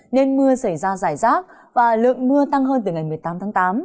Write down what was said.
nên mưa xảy ra giải rác và lượng mưa tăng hơn từ ngày một mươi tám tháng tám